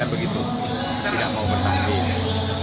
dan begitu tidak mau bertanding